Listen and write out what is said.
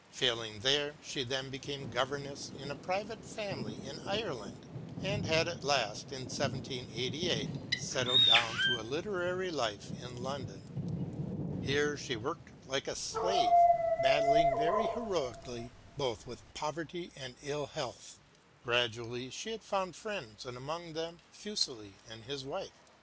Failing there, she then became governess in a private family in Ireland, and had at last, in 1788, settled down to a literary life in London. Here she worked like a slave, battling very heroically both with poverty and ill health. Gradually she had found friends, and among them Fuseli and his wife.